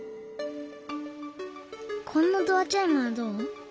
こんなドアチャイムはどう？